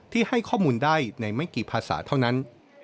ให้ข้อมูลได้ในไม่กี่ภาษาเท่านั้น